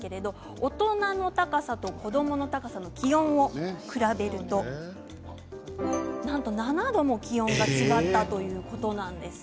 大人の身長の高さと子どもの高さの気温を比べると７度も違ったということなんです。